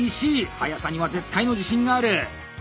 速さには絶対の自信がある！